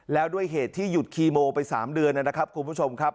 แล้วด้วยเหตุที่หยุดคีโมไป๓เดือนนะครับคุณผู้ชมครับ